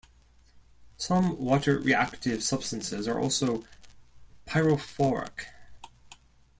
Some water-reactive substances are also pyrophoric.